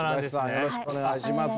よろしくお願いします。